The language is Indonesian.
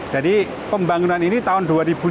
jadi pembangunan ini tahun dua ribu lima belas